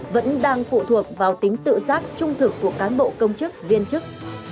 vẫn đang phụ thuộc vào tính tự giác trung thực của cán bộ công chức viên chức